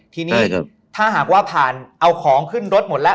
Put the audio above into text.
ทีนี้ถ้าหากว่าผ่านเอาของขึ้นรถหมดแล้ว